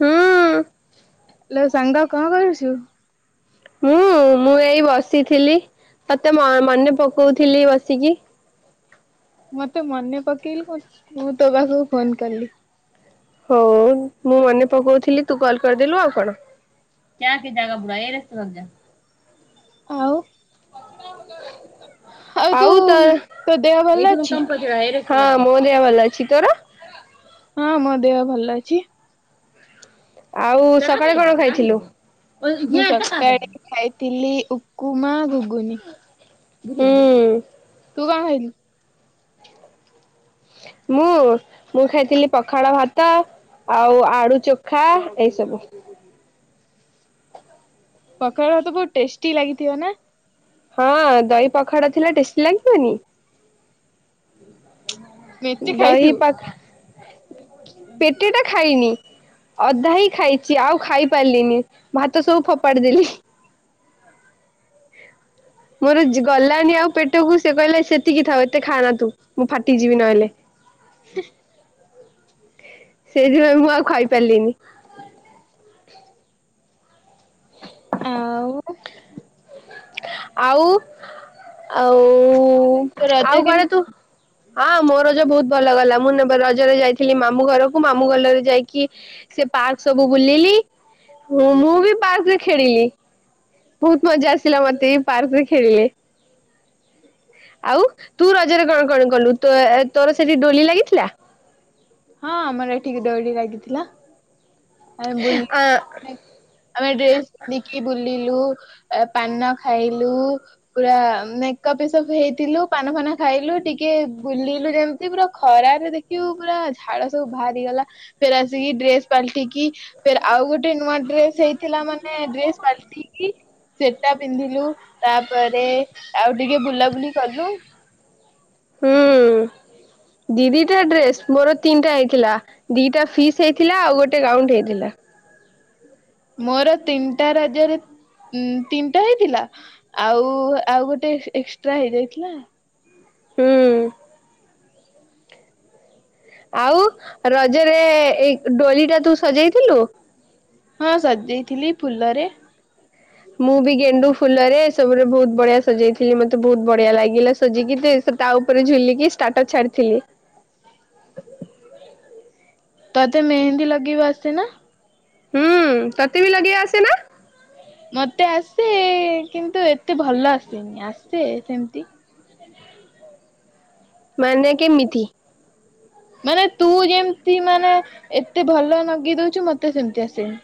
ହୁଁ ସାଙ୍ଗ କଣ କରୁଛୁ? ମୁଁ- ମୁଁ ଏଇ ବସିଥିଲି, ତତେ ମ - ମନେ ପକଉଥିଲି ବସିକି। ମତେ ମନେ ପକେଇଲୁ, [unintelligible] ମୁଁ ତୋ ପାଖକୁ ଫୋନ୍ କଲି। ହଉ ମୁଁ ମନେ ପକଉଥିଲି, ତୁ କଲ କରିଦେଲୁ ଆଉ କଣ। [unintelligible] ଆଉ ଆଉ ତ ତୋ ଦେହ ଭଲ ଅଛି? ହଁ ମୋ ଦେହ ଭଲ ଅଛି। ତୋର? ହଁ ମୋ ଦେହ ଭଲ ଅଛି। ଆଉ ସକାଳେ କଣ ଖାଇଥିଲୁ? ମୁଁ ସକାଳେ ଖାଇଥିଲି ଉକୁମା, ଘୁଗୁନି। ହୁଁ। ତୁ କଣ ଖାଇଥିଲୁ? ମୁଁ- ମୁଁ ଖାଇଥିଲି ପଖାଳ ଭାତ ଆଉ ଆଳୁ ଚଖା ଏଇ ସବୁ। ପଖାଳ ଭାତ ବହୁତ ଟେଷ୍ଟି ଲାଗିଥିବ ନା? ହଁ ଦହି ପଖାଳ ଥିଲା ଟେଷ୍ଟି ଲାଗିବନି? ମେଞ୍ଚେ ଦହି ଖାଇଥିବୁ। ପାଖ ପେଟେ ଟା ଖାଇନି। ଅଧା ହିଁ ଖାଇଛି ଆଉ ଖାଇ ପାରିଲିନି ଭାତ ସବୁ ଫୋପାଡି ଦେଲି। ମୋର ଗଲାନି ଆଉ ପେଟକୁ ସେ କହିଲା ସେତିକି ଥାଉ ଏତେ ଖାଆ ନା ତୁ ମୁଁ ଫାଟିଯିବି ନହେଲେ। ସେଇଥିପାଇଁ ମୁଁ ଆଉ ଖାଇ ପାରିଲିନି। ଆଉ ଆଉ ଆଉ ତୋ ରଜ ଆଉ କେମିତି [unintelligible] ତୁ ହଁ ମୋ ରଜ ବହୁତ ଭଲ ଗଲା ମୁଁ ନେ ରଜରେ ଯାଇଥିଲି ମାମୁ ଘରକୁ ମାମୁଁ ଗଲରେ ଯାଇକି ସେ ପାର୍କ ସବୁ ବୁଲିଲି ମୁଁ ବି ପାର୍କରେ ଖେଳିଲି ବହୁତ ମଜା ଆସିଲା ମତେ ଏଇ ପାର୍କ ରେ ଖେଳିଲେ ଆଉ ତୁ ରଜରେ କଣ କଣ କଲୁ ତ ତୋର ସେଠି ଡୋଲି ଲାଗିଥିଲା? ହଁ ଆମର ଏଠି ଦୋଳି ଲାଗିଥିଲା। ଆମ ବୁ ଆଁ ଆମେ ଡ୍ରେସ୍ ପିନ୍ଧିକି ବୁଲିଲୁ, ପାନ ଖାଇଲୁ ପୁରା ମେକଅପ୍ ହେଇଥିଲୁ ପାନ ଫାନ ଖାଇଲୁ ଟିକେ ବୁଲିଲୁ ଯେମିତି ପୁରା ଖରାରେ ଦେଖ [unintelligible] ପୁରା ଝାଳ ସବୁ ବାହାରିଗଲା ଫେରେ ଆସିକି ଡ୍ରେସ ପାଲଟିକି ଫେରେ ଆଉ ଗୋଟେ ନୂଆ ଡ୍ରେସ ହେଇଥିଲା ମାନେ ଡ୍ରେସ ପାଲଟିକିି ସେଟା ପିନ୍ଧିଲୁ ତାପରେ ଆଉ ଟିକେ ବୁଲାବୁଲି କଲୁ। ହୁଁ। ଦି ଦିଟା ଡ୍ରେସ ମୋର ତିନିଟା ହେଇଥିଲା। ଦିଟା ଫିସ୍ ହେଇଥିଲା ଆଉ ଗୋଟେ ଗାଉଣ୍ଡ ହେଇଥିଲା। ମୋର ତିନିଟା ରଜରେ ଉଁ ତିନିଟା ହେଇଥିଲା ଆଉ ଆଉ ଗୋଟେ ଏକ୍ସଟ୍ରା ହେଇଯାଇଥିଲା। ହୁଁ। ଆଉ ରଜରେ ଏଇ ଡୋଲି ଟା ତୁ ସଜେଇଥିଲୁ? ହଁ ସଜେଇଥିଲି ଫୁଲରେ ମୁଁ ବି ଗେଣ୍ଡୁ ଫୁଲରେ ଏ ସବୁରେ ବହୁତ ବଢିଆ ସଜେଇଥିଲି ମତେ ବହୁତ ବଢିଆ ଲାଗିଲା ସଜେଇକି। ସେ ତା ଉପରେ ଝୁଲିକି ଷ୍ଟାଟସ ଛାଡିଥିଲି। ତତେ ମେହେନ୍ଦୀ ଲଗେଇବା ଆସେ ନା? ହୁଁ ତତେ ବି ଲଗେଇଆ ଆସେ ନା? ମତେ ଆସେ କିନ୍ତୁ ଏତେ ଭଲ ଆସେନି। ଆସେ ସେମିତି ମାନେ କେମିତି? ମାନେ ତୁ ଯେମିତି ମାନେ ଏତେ ଭଲ ଲଗେଇ ଦଉଛୁ ମତେ ସେମତି ଆସେନି।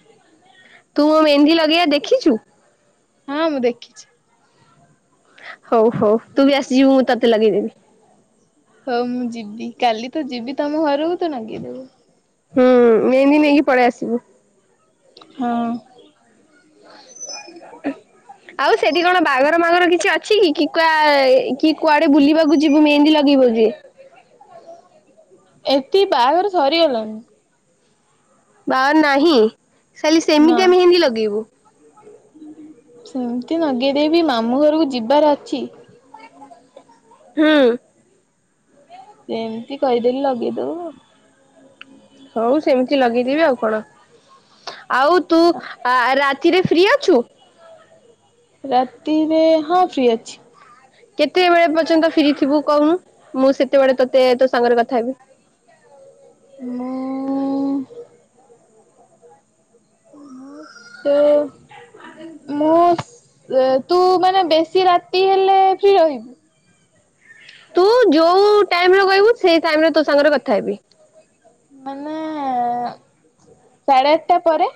ତୁ ମୋ ମେହେନ୍ଦି ଲଗେଇବା ଦେଖିଛୁ? ହଁ ମୁଁ ଦେଖିଛି। ହଉ ହଉ ତୁ ବି ଆସିଯିବୁ ମୁଁ ତତେ ଲଗେଇଦେବି। ହଉ ମୁଁ ଯିବି କାଲି ତ ଯିବି ତମ ଘରକୁ ତ ନଗେଇଦବୁ। ହୁଁ ମେହେନ୍ଦି ନେଇକି ପଳେଇ ଆସିବୁ। ହଁ। ଆଉ ସେଠି କଣ ବାହାଘର ମାଘର କିଛି ଅ ଅଛି କି କି କୁ କି କୁଆଡେ ବୁଲିବାକୁ ଯିବୁ ମେହେନ୍ଦୀ ଲଗେଇବୁ ଜେ ଏତିକି ବାହାଘର ସରିଗଲାଣି? ବାହାଘର ନାହିଁ ଖାଲି ନା। ସେମିତି ଆ ମେହେନ୍ଦୀ ଲଗେଇବୁ। ସେମିତି ଲଗେଇଦେବି ମାମୁଁ ଘରକୁ ଯିବାର ଅଛି। ହୁଁ। ସେ ଏମିତି କହିଦେଲି ଲଗେଇଦେବୁ ଆଉ। ହଉ ସେମିତି ଲଗେଇଦବି ଆଉ କଣ ଆଉ ତୁ ଆ ରା ତିରେ ଫ୍ରି ଅଛୁ? ରାତିରେ ହଁ ଫ୍ରି ଅଛି। କେତେବେଳେ ପର୍ଯ୍ୟନ୍ତ ଫିରି ଥିବୁ କହୁନୁ ମୁଁ ସେତେବେଳେ ତୋତେ ତୋ ସାଙ୍ଗରେ କଥା ହେବି? ମୁଁ ମୁଁ ତ ମୁଁ ତୁ ମାନେ ବେଶୀ ରାତି ହେଲେ ଫ୍ରି ରହିବୁ। ତୁ ଯୋଉ ଟାଇମରେ କହିବୁ ସେଇ ଟାଇମରେ ତୋ ସାଙ୍ଗରେ କଥା ହେବି। ମାନେ ସାଢେ ଆଠଟା ପରେ।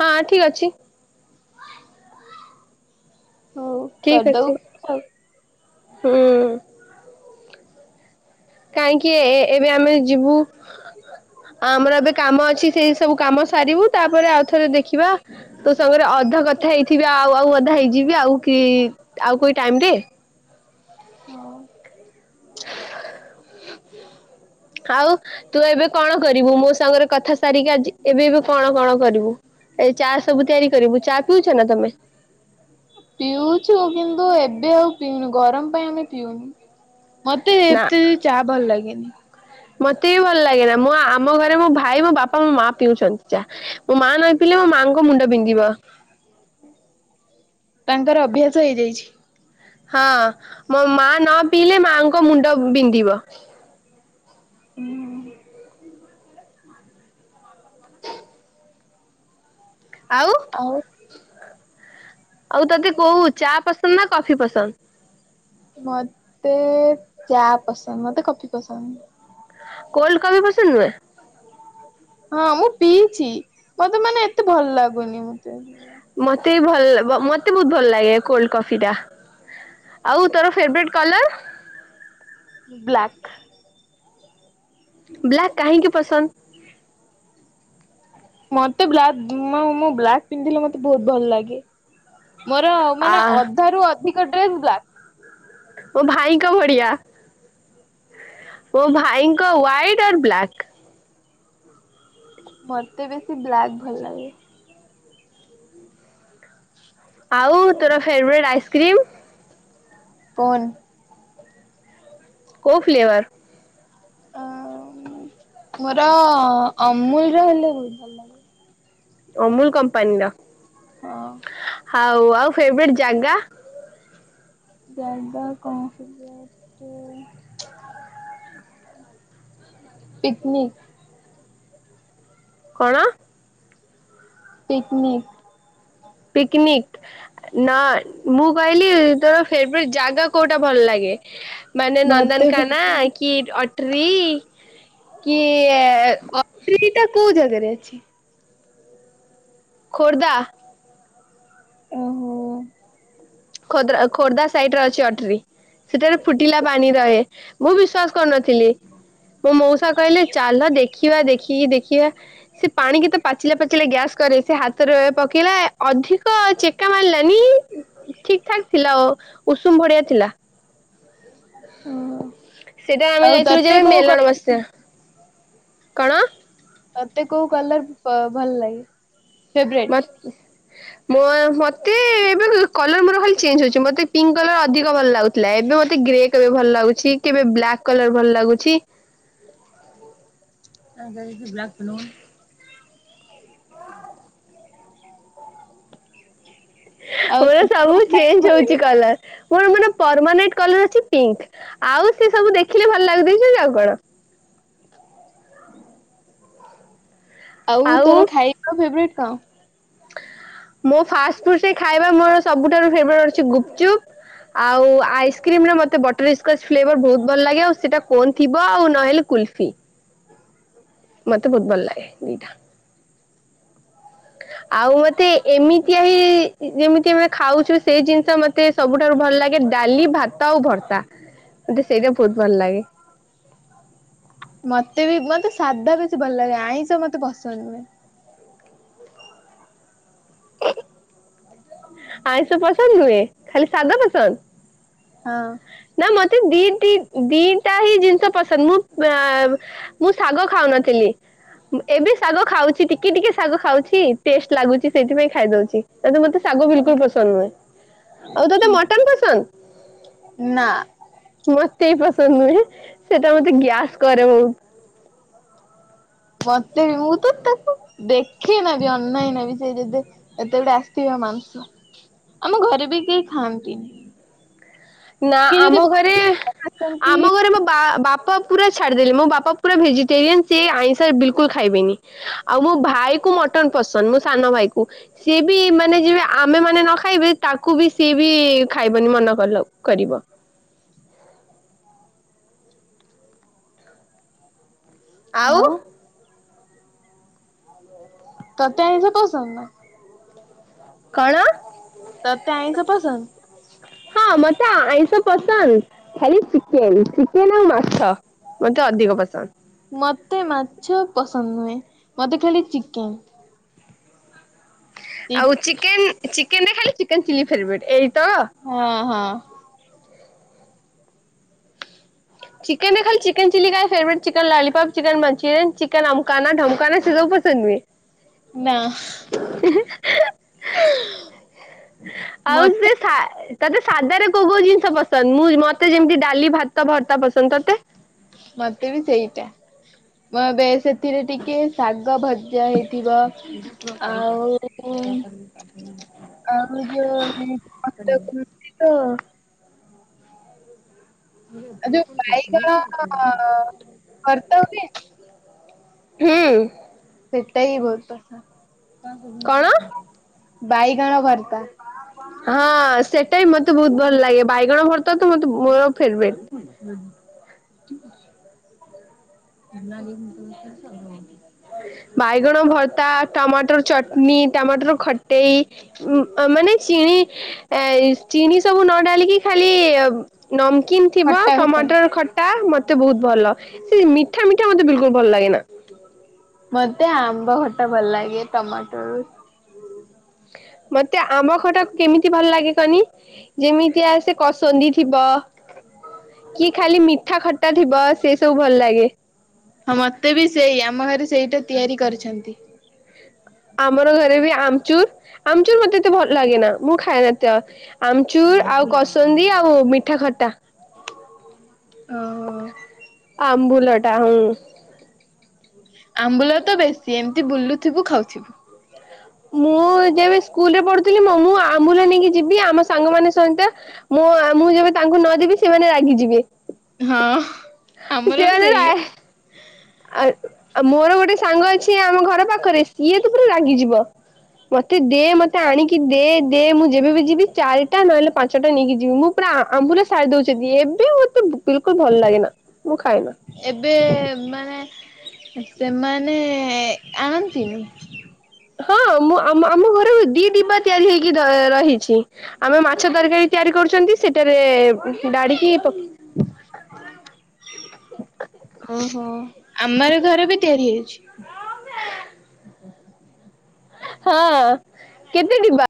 ହଁ ଠିକ ଅଛି। ହଉ ଠିକ୍ କରିଦବୁ ଅଛି ଆଉ ହୁଁ। କାହିଁକି ଏ ଏବେ ଆମେ ଯିବୁ? ଆ ଆମର ଏବେ କାମ ଅଛି ସେଇ ସବୁ କାମ ସାରିବୁ ତାପରେ ଆଉଥରେ ଦେଖିବା ତୋ ସାଙ୍ଗରେ ଅଧା କଥା ହେଇଥିବି ଆଉ ଆଉ ଅଧା ହେଇଯିବି ଆଉ କି ଆଉ କୋଉ ଟାଇମରେ? ହଉ। ଆଉ ତୁ ଏବେ କଣ କରିବୁ ମୋ ସାଙ୍ଗରେ କଥା ସାରିକି ଆଜି ଏବେ ଏବେ କଣ କଣ କରିବୁ?? ଏଇ ଚା ସବୁ ତିଆରି କରିବୁ ଚା ପିଉଛ ନା ତମେ? ପିଉଛୁ କିନ୍ତୁ ଏବେ ଆଉ ପିଉନୁ ଗରମ ପାଇଁ ଆମେ ପିଉନୁ। ମତେ ନା ଏତେ ବି ଚା ଭଲ ଲାଗେନି। ମତେ ବି ଭଲ ଲାଗେନା ମୁଁ ଆମ ଘରେ ମୋ ଭାଇ ମୋ ବାପା ମୋ ମା ପିଉଛନ୍ତି ଚା। ମୋ ମା ନଈ ପିଇଲେ ମୋ ମାଆଙ୍କ ମୁଣ୍ଡ ବିନ୍ଧିବ। ତାଙ୍କର ଅଭ୍ୟାସ ହେଇଯାଇଛି। ହଁ ମୋ ମା ନ ପିଇଲେ ମାଙ୍କ ମୁଣ୍ଡ ବି ବିନ୍ଧିବ। ହୁଁ। ଆଉ ଆଉ ଆଉ ତତେ କୋଉ ଚା ପସନ୍ଦ ନା କଫି ପସନ୍ଦ? ମତେ ଚା ପସନ୍ଦ ମତେ କଫି ପସନ୍ଦ। କୋଲ୍ଡ କଫି ପସନ୍ଦ ନୁହେଁ? ହଁ ମୁଁ ପିଇଛି ମତେ ମାନେ ଏତେ ଭଲ ଲାଗୁନି ମତେ। ମତେ ବି ଭଲ ମତେ ବହୁତ ଭଲ ଲାଗେ କୋଲଡ କଫିଟା। ଆଉ ତୋର ଫେବରଟ୍ କଲର? ବ୍ଲାକ୍। ବ୍ଲାକ୍ କାହିଁକି ପସନ୍ଦ? ମତେ ବ୍ଲାକ ମୋ ମୁଁ ବ୍ଲାକ୍ ପିନ୍ଧିଲେ ମତେ ବହୁତ ଭଲ ଲାଗେ। ମୋର ଆ ମାନେ ଅଧା ରୁ ଅଧିକ ଡ୍ରେସ ବ୍ଲାକ୍। ମୋ ଭାଇଙ୍କ ଭଡିଆ। ମୋ ଭାଇଙ୍କ ୱାଇଟ ଅର୍ ବ୍ଲାକ୍। ମତେ ବେଶୀ ବ୍ଲାକ୍ ଭଲ ଲାଗେ। ଆଉ ତୋର ଫେବରେଟ୍ ଆଇସ୍କ୍ରିମ୍? କୋନ୍। କୋଉ ଫ୍ଲେବର? ଆଁ ମୋର ଅମୁଲର ହେଲେ ବହୁତ ଭଲଲାଗେ। ଅମୁଲ କମ୍ପାନୀର। ହଁ। ଆଉ ଆଉ ଫେବରେଟ ଯାଗା? ଯାଗା କଣ ଟିକେ ଟିକେ ପିକନିକ୍। [inaudible] କଣ? ପିକନିକ୍। ପିକନିକ। ନା, ମୁଁ କହିଲି ତୋର ଫେବେରେଟ୍ ଜାଗା କୋଉଟା ଭଲ ଲାଗେ? ମାନେ ମତେ ନନ୍ଦନକାନନ କି ଅଟ୍ରି କି ଆହ୍ ଅଟ୍ରି ଟା କୋଉ ଜାଗାରେ ଅଛି? ଖୋର୍ଦ୍ଧା। ଓ ହୋ ଖୋଦରା ଖୋର୍ଦ୍ଧା ସାଇଡରେ ଅଛି ଅଟ୍ରି। ସେଠାରେ ଫୁଟିଲା ପାଣି ରହେ ମୁଁ ବିଶ୍ଵାସ କରୁନଥିଲି। ମୋ ମଉସା କହିଲେ ଚାଲ ଦେଖିବା ଦେଖିକି ଦେଖିବା। ସେ ପାଣି କି ତ ପାଚିଲା ପାଚିଲା ଗ୍ୟାସ୍ କରେ ସେ ହାତରେ ପକେଇଲା ଅଧିକ ଚିକ [inaudible] ଠିକ୍ ଠାକ୍ ଥିଲା ଆ ଉଷୁମ ବଢ଼ିଆ ଥିଲା। ହଁ। ସେଇଟା ଆମେ ଯାଇଥିଲୁ ଯେବେ ମେଲଣ ବସ୍ୟା କଣ? ତତେ କୋଉ କଲର ଭଲ ଲାଗେ ଫେବରେଟ୍? [inaudible] ମୋ ମତେ ଏବେ କଲର ମୋର ଖାଲି ଚେଞ୍ଜ ହଉଛି ମତେ ପିଙ୍କ୍ କଲର ଅଧିକ ଭଲ ଲାଗୁ। ଥିଲା ଏବେ ମତେ ଗ୍ରେ କଲର ଭଲ ଲାଗୁଛି କେବେ ବ୍ଲାକ୍ କଲର ଭଲ ଲାଗୁଛି। [inaudible] [unintelligible] ବ୍ଲାକ୍ ନୁହ୍ ଆଉ ମୋର ତତେ ସବୁ କୋଉ ଖାଇବା ଭଲ ଚେଞ୍ଜ ଲାଗେ ହଉଛି କଲର। ମୋର ମାନେ ପରମାନେଣ୍ଟ କଲର ଅଛି ପିଙ୍କ ଆଉ ସେ ସବୁ ଦେଖିଲେ ଭଲ ଲାଗିଯାଇଛି ଆଉ କଣ? ଆଉ ତୋର ଖାଇକ ଫେବରେଟ କଣ? ମୋ ଫାଷ୍ଟ ଫୁଡସେ ଖାଇବା ମୋର ସବୁଠାରୁ ଫେଭରେଟ ହଉଛି ଗୁପଚୁପ। ଆଉ ଆଇସ୍କ୍ରିମରେ ମତେ ବଟର ସ୍କଚ ଫ୍ଲେଭର ବହୁତ ଭଲ ଲାଗେ ଆଉ ସେଇଟା କୋନ୍ ଥିବ ଆଉ ନହେଲେ କୁଲ୍ଫି, ମତେ ବହୁତ ଭଲ ଲାଗେ ଦିଟା। ଆଉ ମତେ ଏମିତିଆ ହି ଯେମିତି ଆମେ ଖାଉଛୁ ସେଇ ଜିନିଷ ମ ତେ ସବୁଠାରୁ ଭଲ ଲାଗେ ଡାଲି, ଭାତ, ଆଉ ଭର୍ତା ମତେ ସେଇଟା ବହୁତ ଭଲ ଲାଗେ। ମତେ ବି ମତେ ସାଧା ବେଶୀ ଭଲ ଲାଗେ ଆଇଁଷ ମତେ ପସନ୍ଦ ନୁହେଁ। [inaudible] ଆଇଁଷ ପସନ୍ଦ ନୁହେଁ, ଖାଲି ସାଧା ପସନ୍ଦ? ହଁ। ନା ମତେ ଦି ଦି ଦିଟା ହିଁ ଜିନିଷ ପସନ୍ଦ ମୁଁ ଆହ୍ ମୁଁ ଶାଗ ଖାଉନଥିଲି। ଏବେ ଶାଗ ଖାଉଛି ଟିକେ ଟିକେ ଶାଗ ଖାଉଛି ଟେଷ୍ଟ ଲାଗୁଛି ସେଇଥିପାଇଁ ଖାଇଦଉଛି, ହେଲେ ମତେ ଶାଗ ବିଲ୍ କୁଲ୍ ପସନ୍ଦ୍ ନୁହେଁ ଆଉ ତୋତେ ମଟନ ପସନ୍ଦ? ନା ମତେ ବି ପସନ୍ଦ ନୁହେଁ, ସେଟା ମତେ ଗ୍ୟାସ୍ କରେ ବହୁତ୍। ମତେ ବି ମୁଁ ତ ତାକୁ ଦେଖେନା ବି ଅନାଏନା ବି ସେ ଯେବେ ଏତେ ଗୁଡେ ଆସିଥିବ ମାଂସ, ଆମ ଘରେ ବି କେହି ଖାଆନ୍ତି ନି। ନା ଆମ ଘରେ ଆମ ଘରେ ମୋ ବା ବାପା ପୁରା ଛାଡିଦେଲି ମୋ ବାପା ପୁରା ଭେଜିଟେରିଆନ୍ ସେ ଆଇଁଶ ବିଲକୁଲ ଖାଇବେନି। ଆଉ ମୋ ଭାଇ କୁ ମଟନ ପସନ୍ଦ ମୋ ସାନ ଭାଇ କୁ। ସିଏ ବି ମାନେ ଯିବେ ଆମେ ମାନେ ନ ଖାଇବେ ତାକୁ ବି ସିଏ ବି ଖାଇବନି ମନା କଲ। କରିବ [inaudible] ଆଉ ତତେ ଆଇଁସ ପସନ୍ଦ ନାଁ? କଣ? ତତେ ଆଇଁସ ପସନ୍ଦ? ହଁ, ମତେ ଆଇଁଷ ପସନ୍ଦ୍ ଖାଲି ଚିକେନ୍ ଚିକେନ୍ ଆଉ ମାଛ। ମତେ ଅଧିକ ପସନ୍ଦ। ମୋତେ ମାଛ ପସନ୍ଦ୍ ନୁହେଁ, ମୋତେ ଖାଲି ଚିକେନ୍। ଆଉ ଚିକେନ୍, ଚିକେନ୍ ରେ ଖାଲି ଚିକେନ ଚିଲି ଫେବ୍ରେଟ୍ ଏଇ ତ। ହଁ, ହଁ। ଚିକେନ୍ ରେ ଖାଲି ଚିକେନ୍ ଚିଲି କାଇଁ favourite chicken lollipop, chicken Manchurian, chicken ଅମକନା ଢମ୍ କାନା ସେ ସବୁ ପସନ୍ଦ ନୁହେଁ? ନା। ଆଉ ସେ ମତେ ଥାଏ ତତେ ସାଧାରେ କୋଉ କୋଉ ଜିନିଷ ପସନ୍ଦ୍ ମୁଁ ମତେ ଯେମିତି ଡାଲି, ଭାତ, ଭର୍ତ୍ତା ପସନ୍ଦ। ତତେ? ମତେ ବି ସେଇଟା। ମୋ ବେ ସେଥିରେ ଟିକେ ଶାଗ ଭଜା ହେଇଥିବ। ଭିଡିଓ କ କଲ୍ ଆଉ କର କଣ କରିବି [unintelligible] ଟିଟୋ, ଆଉ ଯୋଉ ବାଇଗଣ-ଅ-ଅ-ଅ ଭର୍ତ୍ତା ହୁଏ? ହୁଁ। ସେଇଥିପାଇଁ ବହୁତ ପସନ୍ଦ। କଣ? ବାଇଗଣ ଭର୍ତା। ହଁ, ସେଟା ବି ମତେ ବହୁତ ଭଲ ଲାଗେ, ବାଇଗଣ ଭର୍ତା ତ ମତେ ବୋ ମୋ ଫେବ୍ରେଟ୍। [unintelligible] [unintelligible] [unintelligible] ବାଇଗଣ ଭର୍ତ୍ତା, ଟମାଟର ଚଟନୀ, ଟମାଟର ଖଟେଇ। ଉ ମାନେ ଚିଣି ଏଇ ଚିନି ସବୁ ନ ଡାଲିକି ଖାଲି-ଇ-ଇ-ଇ ନମକିନି ଥିବ ଖଟା ଖଟା ଟମାଟର ଖଟା ମତେ ବହୁତ ଭଲ। ସେ ମିଠା ମିଠା ମତେ ବିଲକୁଲ ଭଲ ଲାଗେନା। ମତେ ଆମ୍ବ ଖଟା ଭଲ ଲାଗେ ଟମାଟୋର ମତେ ଆମ ଖଟାକୁ କେମିତି ଭଲ ଲାଗେ କହନି। ଯେମିତିଆ ସେ କସନ୍ଦି ଥିବ। କି ଖାଲି ମିଠା, ଖଟା ଥିବ ସେ ସବୁ ଭଲ ଲାଗେ। ହଁ, ମତେ ବି ସେଇଆ ଆମ ଘରେ ସେଇଟା ତିଆରି କରିଛନ୍ତି। ଆମର ଘରେ ବି ଆମଚୁର୍, ଆମଚୁର୍ ମତେ ଏତେ ଭଲ ଲାଗେନା ମୁଁ ଖାଏନା ଏତା। ଆମଚୁର୍, ଆଉ କସନ୍ଦି, ଆଉ ମିଠା ଖଟା। ଓ-ଓ-ଓ। ଆମ୍ବୁଲ ଟା ହୁଁ। ଆମ୍ବୁଲ ତ ବେଶୀ ଏମିତି ବୁଲୁ ଥିବୁ ଖାଉଥିବୁ। ମୁଁ ଯେବେ ସ୍କୁଲରେ ପଢୁଥିଲି ମୁଁ ମୁଁ ଆମ୍ବୁଲ ନେଇକି ଯିବି ଆମ ସାଙ୍ଗ ମାନେ ସହିତ ମୋ ମୁଁ ଯେବେ ତାଙ୍କୁ ନ ଦେବି ସେମାନେ ରାଗିଯିବେ। ହଁ ଆମର ବି ସେମାନେ ରା ସେଇଆ। ଆ ଆଉ ମୋର ଗୋଟେ ସାଙ୍ଗ ଅଛି ଆମ ଘର ପାଖରେ ସିଏ ତ ପୁରା ରାଗିଯିବ। ମତେ ଦେ ମତେ ଆଣିକି ଦେ ଦେ ମୁଁ ଯେବେବ ଯିବି ଚାରିଟା ନହେଲେ ପାଞ୍ଚଟା ନେଇକି ଯିବି। ମୁଁ ପୁରା ଆ ଆମ୍ବୁଲ ସାରି ଦଉଛନ୍ତି ଏବେ ଏତେ ବିଲକୁଲ ଭଲ ଲାଗେନା ମୁଁ ଖାଏନା। ଏବେ-ଏ-ଏ-ଏ ମାନେ ସେମାନେ-ଏ-ଏ ଆଣନ୍ତିନି? ହଁ ମୁଁ ଆମ ଆମ ଘର ଦି ଡିିବା ତିଆରି ହେଇକି ର ରହିଛି। ଆମେ ମାଛ ତରକାରୀ ତିଆରି କରୁଛନ୍ତି ସେଠାରେ-ଏ-ଏ-ଏ ଡାଡିକି ପ ଓହୋ ଆମର ଘର ବି ତିଆରି ହେଇଛି। [unintelligible] ହଁ କେବେ ଡିବା?